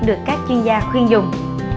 được các chuyên gia khuyên dùng